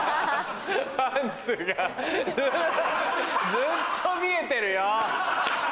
ずっと見えてるよ！